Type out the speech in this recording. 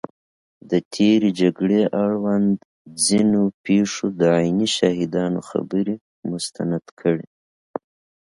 د تېرې جګړې اړوند ځینو پېښو د عیني شاهدانو خبرې مستند کړي